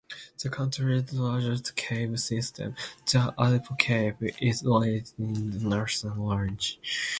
The country's largest cave system, the Aripo Cave, is located in the Northern Range.